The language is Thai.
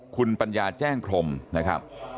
คุณปัญญาแจ้งพรมนะครับ